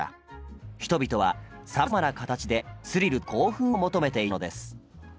人々はさまざまな形でスリルと興奮を求めていったのです。